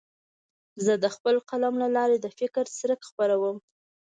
زه د خپل قلم له لارې د فکر څرک خپروم.